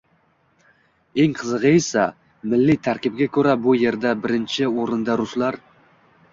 Eng qizig‘i esa, milliy tarkibga ko‘ra bu yerda birinchi o‘rinda ruslar